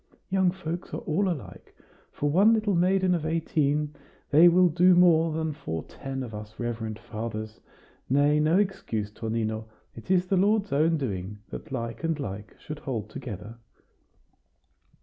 Young folks are all alike; for one little maiden of eighteen they will do more than for ten of us reverend fathers. Nay, no excuse, Tonino. It is the Lord's own doing, that like and like should hold together."